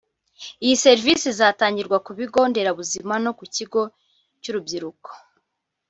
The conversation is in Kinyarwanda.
Iyi serivisi izatangirwa ku bigo nderabuzima no ku Kigo cy’urubyiruko